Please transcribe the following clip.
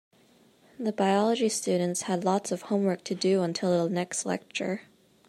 The biology students had lots of homework to do until the next lecture.